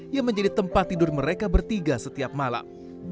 yang menjadi tempat tidur mereka bertiga setiap malam